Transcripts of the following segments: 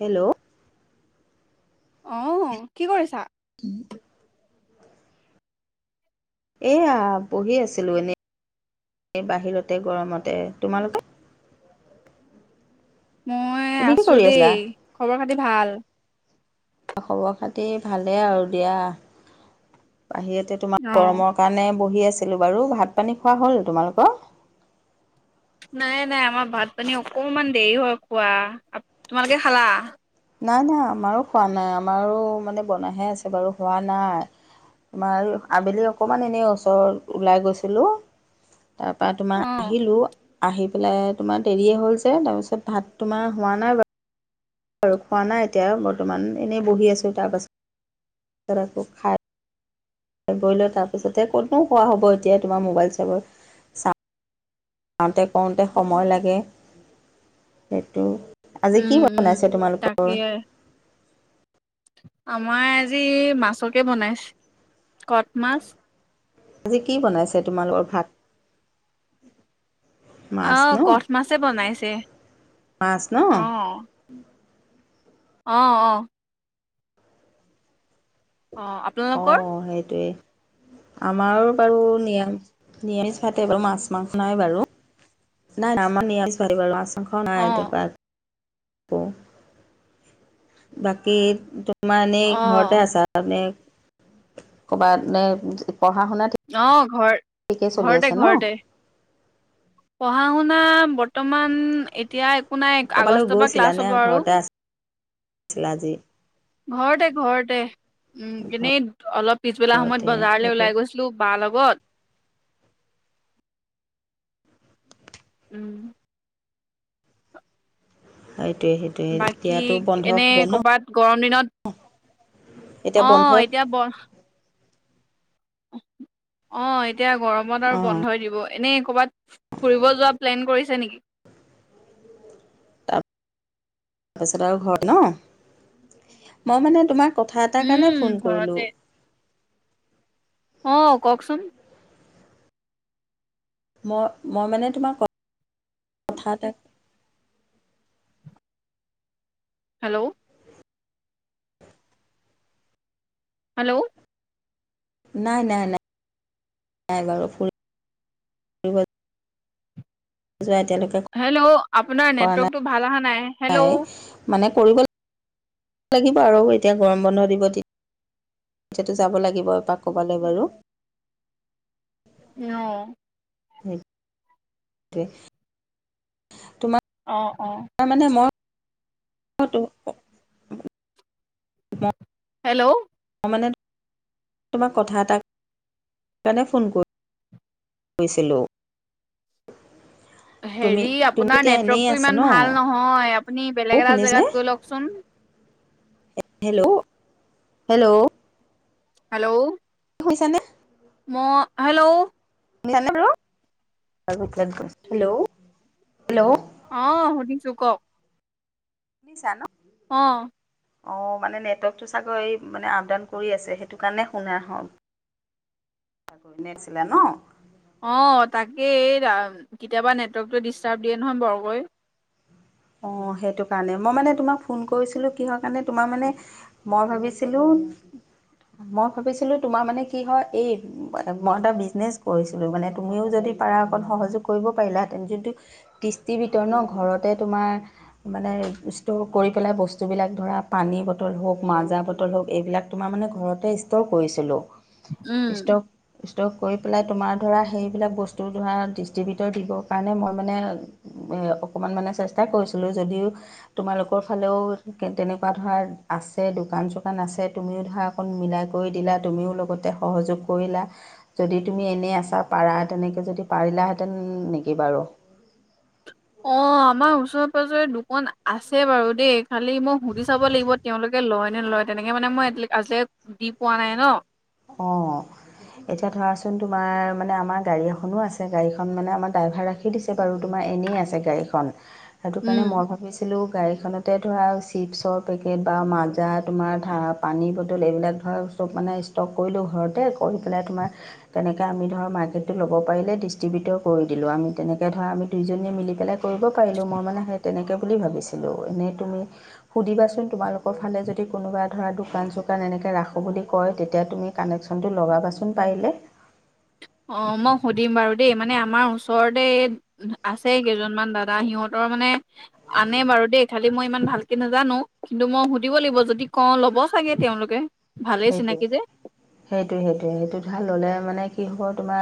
Hello আহ কি কৰিছা কিম এয়া পঢ়ি আছিলো এনেই এই বাহিৰতে গৰমতে। তোমালোকে? মই তুমি কি আছোঁ কৰি দেই আছিলা খবৰ খাতি ভাল খবৰ খাতি ভালেই আৰু দিয়া বাহিৰতে তোমাৰ অ গৰমৰ কাৰণে বহি আছিলো বাৰু ভাত পানী খোৱা হ'ল তোমালোকৰ নাই নাই আমাৰ ভাত পানী অকণমান দেৰি হয় খোৱা তোমালোকে খালা নাই নাই আমাৰো খোৱা নাই আমাৰো মানে বনাইহে আছে বাৰু হোৱা নাই তোমাৰ আবেলি অকমান এনেই ওচৰত ওলাই গৈছিলো তাৰ পৰা অ তোমাৰ উম আহিলোঁ আহি পেলাই তোমাৰ দেৰিয়ে হ'ল যে তাৰপিছত ভাত তোমাৰ হোৱা নাই বাৰু আৰু খোৱা নাই এতিয়া বৰ্তমান এনেই বহি আছোঁ তাৰ পাছত তাৰক খায় [unintelligible] কৰি লৈ তাৰপিছতে ক'তনো খোৱা হ'ব এতিয়া তোমাৰ মোবাইল চাব যাওঁতে কৰোতে সময় লাগে সেইটো আজি কি বনাইছে উম তোমালোকৰ তাকে আমাৰ আজি মাছকে বনাইছে কট মাছ আজি কি বনাইছে তোমালোকৰ ভাত মাছ আহ ন কঠ মাছে বনাইছে মাছ ন অ অ অ অ অ আপোনালোকৰ? সেইটোৱেই আমাৰো বাৰু নিৰা নিৰামিষ ভাতে বাৰু মাছ মাংস নাই বাৰু নাই নাই আমাৰ নিৰামিষ ভাতে মাছ মাংস অ নাই বাকী তোমাৰ এনেই অ ঘৰতে আছা মানে কৰ'বাত এ অ ঘৰ ঠিকেই চলি ঘৰতে আছে ন ঘৰতে পঢ়া শুনা বৰ্তমান এতিয়া একো নাই আগষ্টৰ পৰা ক্লাছ হ'ব আৰু শিলাজি ঘৰতে ঘৰতে উম এনেই অলপ পিছবেলা সময়ত ঘৰতে বজাৰলৈ সেইটোৱে ওলাই গৈছিলো বা লগত ক'ত উম হয় [unintelligible] বাকী এনে ক'বাত গৰম দিনত এতিয়া অ বন্ধ এতিয়া বৰ অ এতিয়া গৰমত আৰু অঁ বন্ধই দিব এনে কৰবাত ফুৰিব যোৱা প্লেন কৰিছে নেকি তাৰপিছত আৰু ঘৰত ন মই মানে তোমাক কথা এটা কাৰণে উম ফোন কৰিলো আহ কওকচোন মই মই মানে তোমাক কথা এটা হেল্ল' হেল্ল' নাই নাই নাই নাই বাৰু যোৱা এতিয়ালোকে হেল্ল' আপোনাৰ কৰা নাই নেটৱৰ্কটো ভাল অহা নাই হেল্ল' নাই অ মানে কৰিব লাগিব আৰু এতিয়া গৰম বন্ধ দিব এতিয়াতো যাব লাগিব এপাক ক'বালৈ বাৰু আহ সেইটোৱে অ অ তোমাৰ মানে মই [unintelligible] হেল্ল' মানে তোমাক কথা এটা সকাৰণে ফোন কৰিছিলোঁ। তুমি হেৰি তুমিতো আপোনাৰ এতিয়া এনেই নেটৱৰ্কতটো আছা ইমান ন ভাল নহয় আপুনি অ বেলেগ এটা শুনিছেনে জেগাত গৈ লওকচোন। হেল্ল' হেল্ল' হেল্ল' হৈছে নে ম হেল্ল' হেল্ল' হেল্ল' অ সুধিছো কক। শুনিছা ন। অ অঁ মানে নেটৱৰ্কটো চাগৈ এই মানে আপ ডাউন কৰি আছে সেইটো কাৰণে শুনা হ। কৰি নছিলে ন। অঁ তাকেই কেতিয়াবা নেটৱৰ্কটো ডিষ্টাৰ্ব দিয়ে নহয় বৰকৈ। অ সেইটো কাৰণে মই মানে তোমাক ফোন কৰিছিলো কিহৰ কাৰণে তোমাৰ মানে মই ভাবিছিলো উম মই ভাবিছিলো তোমাৰ মানে কি হয় এই মই এটা বিজনেচ কৰিছিলো মানে তুমিও যদি পাৰা অকণ সহযোগ কৰিব পাৰিলাহেঁতেন যোনটো কৃস্তি বিতৰণ ঘৰতে তোমাৰ মানে ষ্টৰ কৰি পিলাই বস্তুবিলাক ধৰা পানীৰ বটল হওক মাজাৰ বটল হওক এইবিলাক তোমাৰ মানে ঘৰতে ষ্টৰ কৰিছিলো উম। ষ্টক কৰি পেলাই তোমাৰ ধৰা সেইবিলাক বস্তু ধৰা ডিষ্ট্ৰিবিউটৰ দিবৰ কাৰণে মই মানে এ অকনমান মানে কৰিছিলো যদিও তোমালোকৰ ফালেও তেনেকুৱা ধৰা আছে দোকান চোকান আছে। আছে তুমিও ধৰা মিলাই কৰি দিলা তুমিও লগতে সহযোগ কৰিলা যদি তুমি এনেই আছ পাৰা তেনেকে যদি পাৰিলে হেঁতেন নেকি বাৰু? অ, আমাৰ ওচৰে-পাজৰে দোকান আছে বাৰু দেই খালি মই সুধি চাব লাগিব। তেওঁলোকে, লয় নে নলয়। তেনেকে মানে মই আজি দি পোৱা নাই ন? অ। এতিয়া ধৰাচোন তোমাৰ মানে আমাৰ গাড়ী এখনো আছে। গাড়ীখন মানে আমাৰ ড্ৰাইভাৰ ৰাখি দিছে বাৰু তোমাৰ এনেই আছে গাড়ীখন সেইটো কাৰণে উম মই ভাবিছিলোঁ। গাড়ীখনতে ধৰা চিপছৰ পেকেট বা মাজা তোমাৰ পানীৰ বটল এইবিলাক ধৰা সপ মানে ষ্টক কৰিলোঁ ঘৰতে কৰি পেলাই তোমাৰ তেনেকৈ আমি ধৰক মাৰ্কেটটো ল'ব পাৰিলে ডিষ্ট্ৰিবিউটৰ কৰি দিওঁ। আমি তেনেকে ধৰা আমি দুইজনী মিলি পেলাই কৰিব পাৰিলো। মই মানে সেই তেনেকৈ বুলি ভাবিছিলোঁ। এনেই তুমি সুধিবাচোন তোমালোকৰ ফালে যদি কোনোবা ধৰা দোকান এনেকে ৰাখো বুলি কয় তেতিয়া তুমি কানেকনটো লগাবাচোন পাৰিলে। অ, মই সুধিম বাৰু দেই মানে আমাৰ ওচৰতে আছে কেইজনমান দাদা সিহঁতৰ মানে আনে বাৰু দেই, খালি মই ইমান ভালকে নাজানো। কিন্তু, মই সুধিব লাগিব যদি কওঁ ল'ব চাগে। তেওঁলোকে। ভালেই সেইটোৱে চিনাকি যে সেইটোয়ে, সেইটোয়ে সেইটো ভাল হলে মানে কি হ'ব? তোমাৰ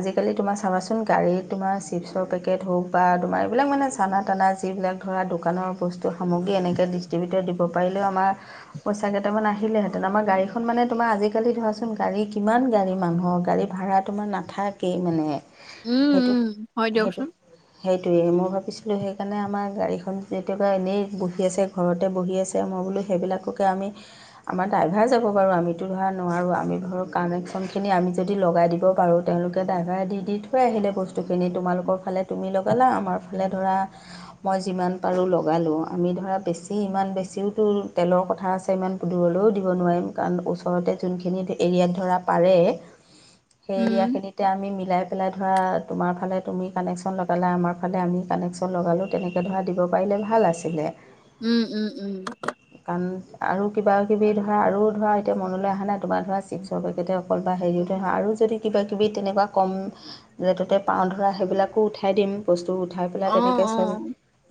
আজিকালি তোমাৰ চাবাচোন গাড়ীত তোমাৰ চিপছৰ পেকেট হওক বা তোমাৰ এইবিলাক মানে চানা টানা যিবিলাক ধৰা দোকানৰ বস্তু সামগ্ৰী এনেকে ডিষ্ট্ৰিবিউটৰ দিব পাৰিলেও আমাৰ পইছা কেইামান আহিলে হেতেন। গাড়ীখন মানে তোমাৰ আজিকালি ধৰাচোন গাড়ী কিমান গাড়ী মানুহৰ গাড়ী ভড়া তোমাৰ নাথাকেই মানে। উম, সেইটো উম, হয় সেইটো দিয়কচোন। সেইটোৱেই মই ভাবিছিলোঁ সেইকাৰণে আমাৰ গাড়ীখন কেতিয়াবা এনেই বহি আছে ঘৰতে বহি আছে মই [unintelligible] ডাইভাৰ যাব বাৰু আমিতো ধৰা নোৱাৰোঁ। আমি ধৰক কানেকশ্যনখিনি আমি যদি লগ দিব পাৰোঁ তেওঁলোকে ড্ৰাইভাৰ দি, দি থৈ আহিলে বস্তুখিনি তোমালোকৰ ফালে তুমি লগালা আমাৰ ফালে ধৰা মই যিমান লগালো লগালো আমি ধৰা বেছি ইমান বেছিও তেলৰ কথা আছে ইমান দ য এ [unintelligible] সেই উম, এৰিয়া খিনিতে আমি মিলাই পেলাই ধৰা তোমাৰ ফালে তুমি কানেকশ্যন লগালা আমাৰ ফালে আমি কানেকশ্যন লগালোঁ তেনেকৈ ধৰা দিব পাৰিলে ভাল। ভাল আছিলে। উম, উম, উম। কাৰণ আৰু কিবা-কিবি ধৰা আৰু ধৰা এতিয়া মনলৈ অহা নাই তোমাৰ ধৰা চিপছৰ পেকেটে হে আৰু যদি কিবা- কিবি তেনেকুৱা কম ৰেট তে পাওঁ ধৰা সেইবিলাকো উঠাই দিম। বস্তু উঠাই পেলাই অ', তেনেকে চোন অ',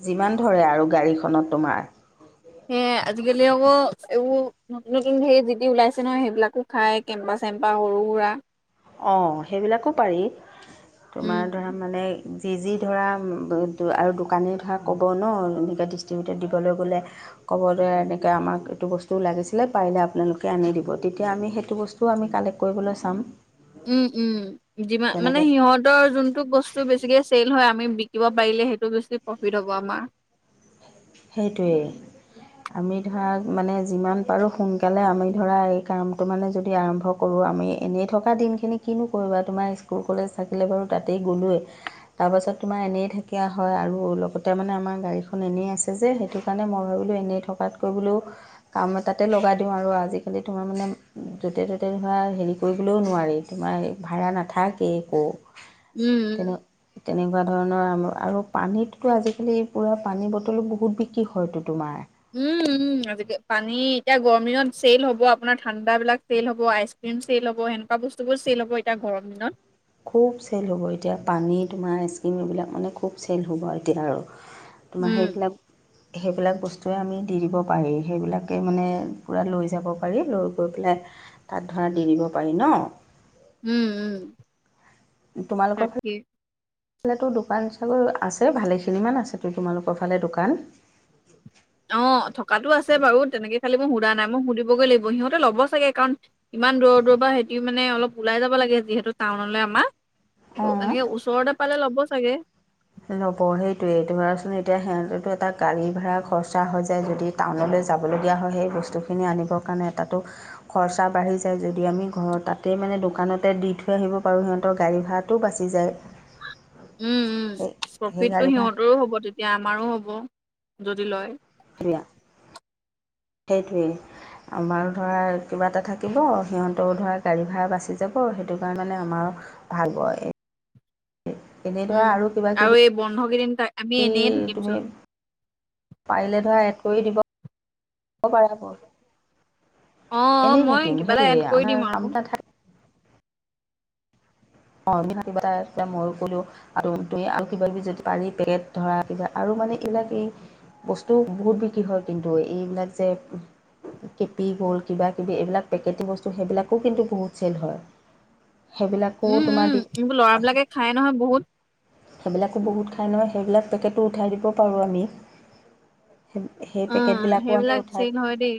যিমান ধৰে আৰু গাড়ীখনত তোমাৰ। সেয়েহে আজিকালি আকৌ এইবোৰ নতুন নতুন হেৰি যি তি ওলাইছে ন সেইবিলাকো খাই। কেম্পাচ, চেম্পা সৰু-সুৰা। অঁ, সেইবিলাকো পাৰি উম, তোমাৰ ধৰা মানে যি, যি ধৰা আৰু দোকানী ধৰা ক'ব ন এনেকৈ ডিষ্ট্ৰিবিউটত দিবলৈ গ'লে। ক'ব দ এনেকে আমাক এইটো বস্তু লাগিছিলে পাৰিলে আপোনালোকে আনি দিব। তেতিয়া আমি সেইটো বস্তু আমি কালেক্ট কৰিবলৈ চাম। উম, উম, যিমান মানে তেনেকৈ সিহঁতৰ যোনতটো বস্তু বেছিকে চেল হয়। আমি বিকিব পাৰিলে সেইটো বেছি প্ৰফিট হ'ব আমাৰ। সেইটোৱেই। আমি ধৰা মানে যিমান পাৰো সোনকালে আমি ধৰা এই কামটো মানে যদি আৰম্ভ কৰোঁ। আমি এনেই থকা দিনখিনি কিনো কৰিবা তোমাৰ স্কুল কলেজ থাকিলে বাৰু তাতেই গ'লোৱৱেই। তাৰ পাছত তোমাৰ এনেই থাকিয়া হয় আৰু লগতে মানে আমাৰ গাড়ীখন এনেই আছে। সেইটো কাৰণে মই ভাবো এনেই থকাত কৈ বোলো কাম এটাতে লগাই দিওঁ আৰু আজি কালি তোমাৰ য'তে-ত'তে ধোৰা হেৰি কৰিবলৈও নোৱাৰি। তোমাৰ ভাড়া নাথাকে একো। উম, তেনে তেনেকুৱা ধৰণৰ। আৰু পানীততো আজিকালি পূৰা পানী বটলো বহুত বিক্ৰী হয়তো তোমাৰ। উম উম আজিকাল পানী এতিয়া গৰমদিনত চেল হব আপোনাৰ ঠাণ্ডা বিলাক চেইল হ'ব আইচ ক্ৰীম। চল হ'ব সনেকুৱা বস্তুবোৰ চেল হ'ব এতিয়া গৰম দিন খুব চেল হ'ব এতিয়া পানী তোমাৰ আইচক্ৰীম এইবিলাক মানে খুব চেল হ'ব এতিয়া আৰু তোমাৰ উম, সেইবিলাক সেইবিলাক বস্তুৱে আমি দি দিব পাৰি সেইবিলাকে মানে পুৰা লৈ যাব পাৰি লৈ গৈ পেলাই। তাত ধৰা দি দিব পাৰি ন। উম উম। তোমালোকৰ। তাকে। ফালেতো দোকান চাগৈ আছে ভালেখিনিমান আছেতো তোমালোকৰ ফালে দোকান অ থকাতটো আছে বাৰু তেনেকে খালি মই সুধা নাই মই সুধিবগ লাগ সহতে লব চাগে কাৰণ ইমান দূৰ দূৰ সহতি মে অলপ ওলাই াই যাব লাগে যিহেতু টাউনলৈ আমাৰ ত অঁ এনেকে ওচৰতে পালে ল'ব চাগে। লব সেইটোয়েইটো বচোন এতিয়া সিহঁততো এটা গাড়ী ভড়া খৰচা হৈ যায় যদি টাউনলৈ। যাব লগীয়া হয় সেই বস্তু খিনি আনিব কাৰণে এটা টো খৰচা বাঢ়ি যায় যদি আমি ঘৰ তাতে মানে দোকানতে দি থৈ আহিব পাৰোঁ সিহঁতৰ গা়ৰি ভৰাটো বাচি যায় সেই সেই গাড়ী প্ৰফিটটো ভাড়া সিহঁতৰো হ'ব তেতিয়া আমাৰো হ'ব যদি লয় [unintelligible] সেইটোৱে। আমাৰ ধৰা কিবা এটা থাকিব সিহঁতেও ধৰা গাড়ী ভাড়া বাচি যাব সেইটো কাৰণে আমাৰ ভাল বয়। এনেই ধৰা উম, আৰু কিবা কিবি এই বন্ধ কেইদিন তাক আমি এনেয়ে [unintelligible] তুমি। থাকিমচোন পাৰিলে ধৰা এড কৰি দিব পাৰে। অ', অ', এনেই মই থাকিম কিবা এটা এড সেইটোয়ে কৰি দিম আমাৰ আৰু কাম এ থাক অ কিবা এটা মইো কলো আৰু ত আৰু কিব কিবি যদি পাৰি পেকেট ধৰা কিবা আৰু মানে এইবিলাক এই বস্তু বহুত বিক্ৰী হয় কিন্তু এইবিলাক যে। কেপি গ'লড কিব কিবি এইবিলাক পেকেটি বস্তু সেইবিলাকো কিন্তু বহুত চেল হয়। সেইবিলাক ঢৌ উম, তোমাৰ উম, দি এইবোৰ [unintelligible] ল'ৰাবিলাকে খাই নহয় বহুত সেইবিলাকো বহুত খাই নহয়। সেইবিলাক পেকেটোটো উঠাই দিব পাৰোঁ আমি। সেই সেই অ', পেকেটবিলাকো আমি সেইবিলাক উঠাই। চেল হয় দেই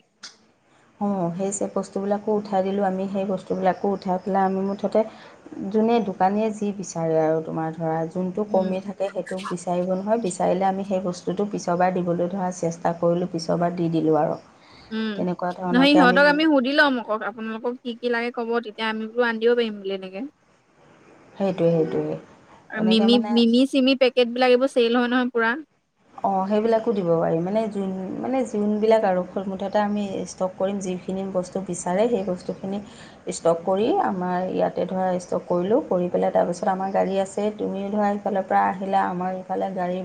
অঁ সেই চ বস্তুবিলাকো উঠাই দিলোঁ আমি সেই বস্তুবিলাকো উঠাই পেলাই আমি মুঠতে যোনে দোকানীয়ে যি বিচাৰে আৰু তোমাৰ ধৰা যোনতটো উম। কমি থাকে সেইটোোক বিচাৰিব নহয় বিচাৰে। চাৰিলে আমি সেই বস্তুটো পিছৰবাৰ দিবলৈ ধৰা চেষ্টা কৰিলোঁ পিছৰবাৰ দি দিলোঁ আৰু উম তেনেকুৱা নহয় ধৰণৰকৈ সিহঁতক আমি সুধি লম আকক আপোনালোকক কি কি লাগে। ক'ব তেতিয়া আম বো আনধিব পাৰিম বুলি এনেকে। সেইটোৱে সেইটোয়ে। আৰু মিমি মিমি চিমি পেকেট বিলাক এইবোৰ চেল হয় নহয় পুৰা। অ সেইবিলাকো দিব পাৰি মানে যোন মানে যোনবিলাক আৰু মুঠটা আমি ষ্টক কৰিম। যিখিনি বস্তু বিচাৰে সেই বস্তু খিনি ষ্টক কৰি আমাৰ ইয়াতে ধৰা ষ্টক কৰিলোঁ। কৰি পেলাই তাৰপিছত আমাৰ গাড়ী আছে তুমিও ধৰা ইফালৰ পৰা আহিলা আমাৰ ইফালে গাড়ী।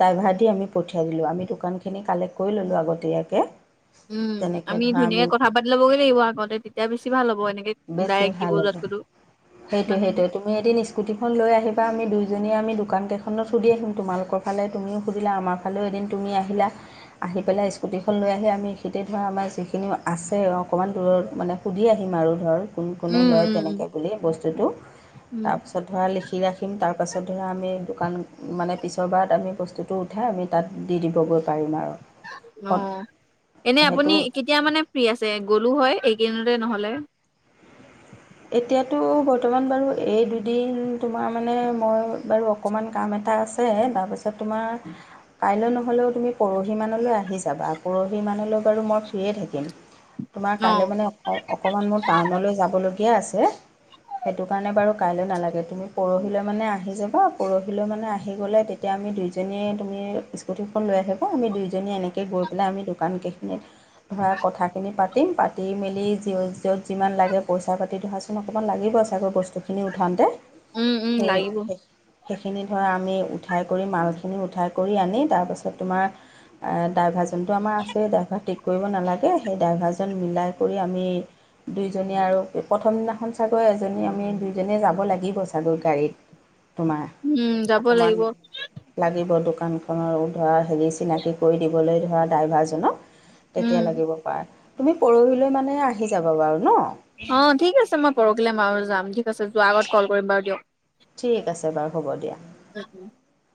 ড্ৰাইভাৰ দি আমি পঠিয়াই দিলোঁ আমি দোকানখিনি কালেক্ট কৰি ল'লোঁ আগতীয়াকৈ উম তেনেকৈ আমি ধৰা ধুনীয়াকে কথা পাতি ল'বগৈ লাগিব আগতে তেতিয়া বেছি ভাল হ'ব। এনেকে বেছি ডাইৰেক্ট দিব ভাল হ'ব যোৱাতকৈতো সেইটোে মানে সেইটোে তুমি এদিন স্কুটিখন লৈ আহিবা আমি দুই দুজনীয়ে আমি দোকান কেইখনত সুধি আহিম তোমালোকৰ ফালে তুমিও সুধিলা আমাৰ ফালেও এদিন তুমি আহিলা আহি পেলাই স্কুটিখন লৈ আহি আমি খতি ধৰা আমাৰ যিখিনিও আছে অকণমান দূৰত মানে সুধি আহিম আৰু। ধৰ কোন কোন উম লয় উম উম তেনেকে বুলি বস্তুটো উম তাৰ পাছত ধৰা লিখি ৰাখিম তাৰ পাছৰ তাৰপছত ধৰা আমি দোকান মানে পিছৰবাৰত আমি বস্তুটো উঠাই আমি তাত দি দিবগৈ পাৰিম আৰু অ পত- এনে আপুনি সেইটো কেতিয়া মানে ফ্ৰ্ৰী আছে গ'লো হয়। গনৰে নহ'লে এতিয়াতো বৰ্তমান বাৰু এই দুদিন তোমাৰ মানে মই বাৰু অকণমান কাম এটা। এটা আছে তাৰপিছত তোমাৰ কাইলৈ নহ'লেও তুমি পৰহি মলৈ আহি যাবা পৰহি মনলৈ বাৰু মই ফ্ৰী থাকিম তোমাক অ কৈলৈমানে অ অকমান মোৰ টাউনলৈ যাবলৈ। কিয়া আছে। সেইটো কাৰণে বাৰু কাইলৈ নালাগে তুমি পৰহিলৈ মানে আহি যাবা পৰহিলৈ মানে আহি গলে তেতিয়া। আমি দুইজনীয়ে তুমি স্কুটিখন লৈ আহিব আমি দুইজনীয়ে এনেকৈ গৈ পেলাই আমি দোকান কেইখিনিত। ধৰা কথাখিনি পাতিম পাতি মেলি যত যিমান লাগে পইচা। পাতি ধোৱাচোন অকণমান লাগিব চাগৈ বস্তুখিনি উঠাতে উম উম লাগিব সেই। সেইখিনি ধৰা আমি উঠাই কৰি মালখিনি উঠাই কৰি আনি তাৰপাছত তোমাৰ। ড্ৰাইভাৰজনটো আমাৰ আছেই ড্ৰাইভাৰ ঠিক কৰিব নালাগে সেই ড্ৰাইভাৰজন মিলাই কৰি আমি। দুইজনী আৰু। প্ৰথম দিনাখন চাগৈ এজনী আমি দুইজীয়ে যাব লাগিব চাগৈ গাড়ীত। তোমাৰ উম যাব অকণমান লাগিব লাগিব দোকানখনৰ উধৰা। হেৰি চিনাকি কৰি দিবলৈ ধৰা ড্ৰাইভাৰজনক উম তেতিয়া লাগিব পাৰে। তুমি পৰহিলৈ মানে আহি যাব বাৰু ন। অঁ ঠিক আছে মই পৰহিলৈম বাৰুা যাম ঠিক আছে যোৱাৰ আগত কল কৰিম বাৰু দিয়ক। ঠিক আছে বাৰু হ'ব দিয়া। [unintelligible]